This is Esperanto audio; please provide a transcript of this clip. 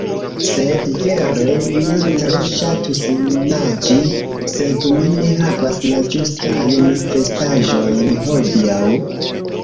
Sed vere, mi tre ŝatus naĝi sed mi ne havas la ĝustajn vestaĵojn hodiaŭ